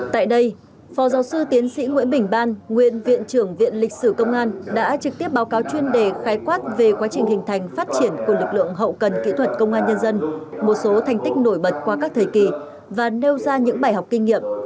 tại đây phó giáo sư tiến sĩ nguyễn bình ban nguyên viện trưởng viện lịch sử công an đã trực tiếp báo cáo chuyên đề khái quát về quá trình hình thành phát triển của lực lượng hậu cần kỹ thuật công an nhân dân một số thành tích nổi bật qua các thời kỳ và nêu ra những bài học kinh nghiệm